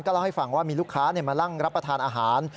เล่าให้ฟังว่ามีลูกค้ามานั่งรับประทานอาหาร